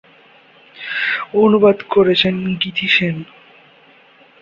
অনুবাদ করেছেন গীতি সেন।